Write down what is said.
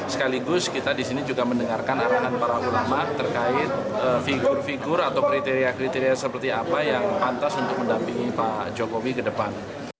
sekaligus kita disini juga mendengarkan arahan para ulama terkait figur figur atau kriteria kriteria seperti apa yang pantas untuk mendampingi pak jokowi ke depan